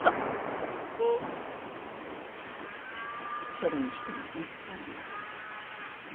それにしてももったいない。